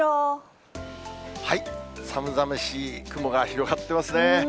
寒々しい雲が広がってますね。